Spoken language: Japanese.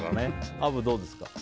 アブ、どうですか。